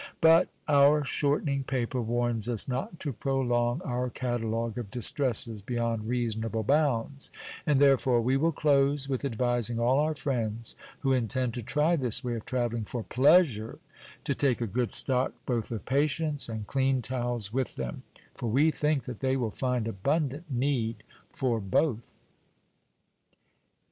But our shortening paper warns us not to prolong our catalogue of distresses beyond reasonable bounds, and therefore we will close with advising all our friends, who intend to try this way of travelling for pleasure, to take a good stock both of patience and clean towels with them, for we think that they will find abundant need for both.